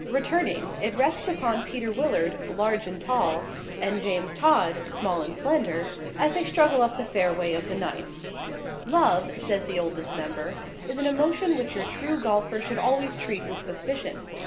Returning, it rests upon Peter Willard, large and tall, and James Todd, small and slender, as they struggle up the fair way of the ninth. Love (says the Oldest Member) is an emotion which your true golfer should always treat with suspicion.